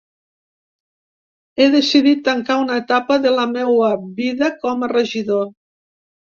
He decidit tancar una etapa de la meua vida com a regidor.